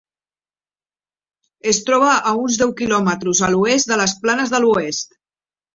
Es troba a uns deu quilòmetres a l'oest de les planes de l'Oest.